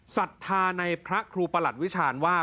ศรัทธาในพระครูประหลัดวิชาญว่า